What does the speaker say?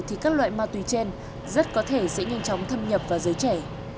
thì các loại ma túy trên rất có thể sẽ nhanh chóng thâm nhập vào giới trẻ